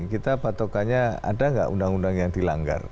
kita patokannya ada nggak undang undang yang dilanggar